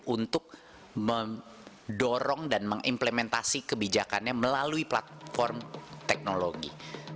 untuk mendorong dan mengimplementasi kebijakannya melalui platform teknologi